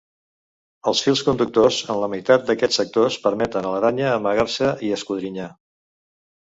Els fils conductors en la meitat d'aquests sectors permeten a l'aranya amagar-se i escodrinyar.